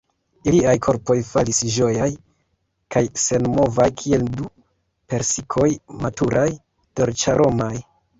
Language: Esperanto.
Iliaj korpoj falis ĝojaj kaj senmovaj kiel du persikoj maturaj, dolĉaromaj.